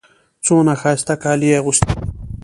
څونه ښایسته کالي يې اغوستي دي.